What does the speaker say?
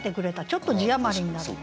ちょっと字余りになるので。